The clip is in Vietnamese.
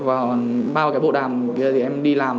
và bao cái bộ đàm kia thì em đi làm